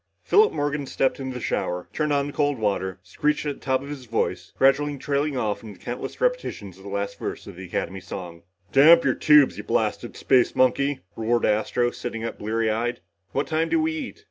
Philip Morgan stepped into the shower, turned on the cold water, screeched at the top of his voice, gradually trailing off into countless repetitions of the last verse of the Academy song. "Damp your tubes, you blasted space monkey," roared Astro, sitting up bleary eyed. "What time do we eat?"